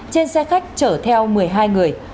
trên xe khách chở theo một mươi hai người